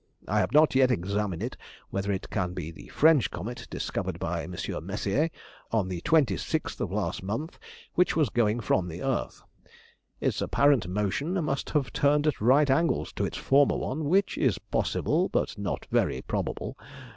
I have not yet examined whether it can be the French comet discovered by M. Messier, on the 26th of last month, which was going from the earth. Its apparent motion must have turned at right angles to its former one, which is possible, but not very probable.